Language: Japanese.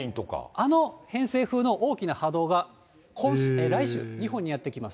あの偏西風の大きな波動が来週、日本にやってきます。